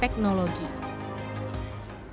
mereka juga tidak memiliki teknologi